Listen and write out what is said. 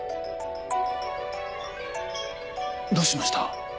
どうしました？